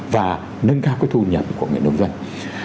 và nâng cao cái thu nhập của người nông dân